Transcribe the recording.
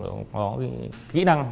có kỹ năng